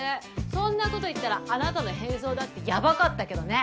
そんなこと言ったらあなたの変装だってやばかったけどね！